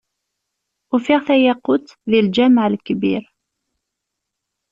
Ufiɣ tayaqut, deg lǧameɛ Lekbir.